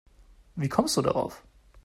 Wie kommst du darauf?